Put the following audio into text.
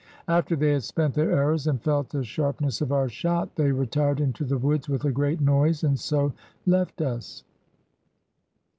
After they had spent their Arrowes and felt the sharpnesse of our shot, they retired into the Woods with a great noise, and so left us."